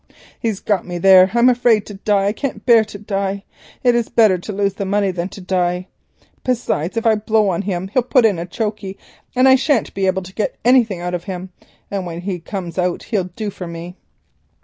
He's got me there. I am afraid to die. I can't bear to die. It is better to lose the money than to die. Besides, if I blow on him he'll be put in chokey and I shan't be able to get anything out of him, and when he comes out he'll do for me."